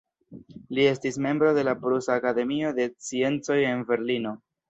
Li estis membro de la Prusa Akademio de Sciencoj en Berlino.